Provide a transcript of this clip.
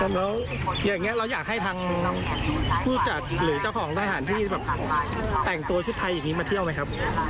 แล้วอยากให้ทางผู้จัดหรือเจ้าของที่แต่งตัวชุดไทยอย่างนี้มาเที่ยวไหมครับ